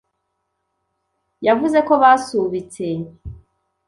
Yavuze ko basubitse.